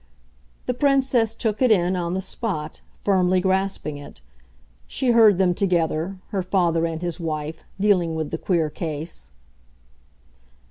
The Princess took it in, on the spot, firmly grasping it; she heard them together, her father and his wife, dealing with the queer case.